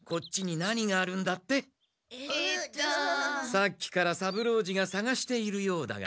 さっきから三郎次がさがしているようだが。